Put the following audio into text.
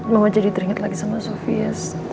mama jadi teringat lagi sama soviet